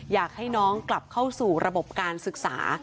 อยากให้น้องกลับเข้าสู่ระบบการศึกษา